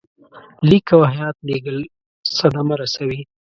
لیک او هیات لېږل صدمه رسوي.